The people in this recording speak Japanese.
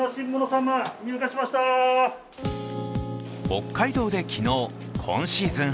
北海道で昨日、今シーズン